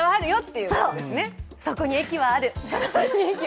そう、そこに駅はある！